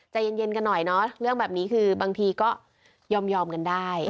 ใจเย็นกันหน่อยเนอะเรื่องแบบนี้คือบางทีก็ยอมกันได้